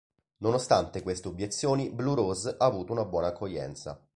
Nonostante queste obiezioni, "Blue Rose" ha avuto una buona accoglienza.